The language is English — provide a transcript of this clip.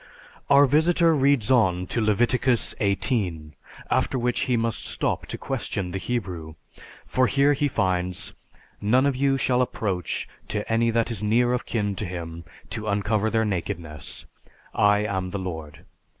Our visitor reads on to Leviticus XVIII, after which he must stop to question the Hebrew, for here he finds, "None of you shall approach to any that is near of kin to him, to uncover their nakedness; I am the Lord.